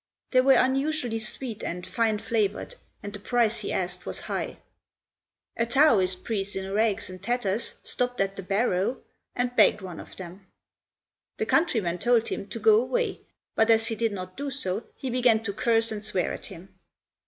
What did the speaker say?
They were unusually sweet and fine flavoured, and the price he asked was high. A Taoist priest in rags and tatters stopped at the barrow and begged one of them. The countryman told him to go away, but as he did not do so he began to curse and swear at him.